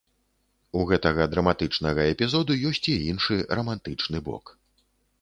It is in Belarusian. У гэтага драматычнага эпізоду ёсць і іншы, рамантычны бок.